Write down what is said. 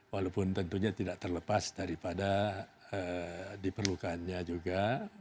walaupun tentunya tidak terlepas daripada diperlukannya juga